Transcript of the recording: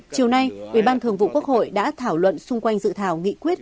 chiều nay ủy ban thường vụ quốc hội đã thảo luận xung quanh dự thảo nghị quyết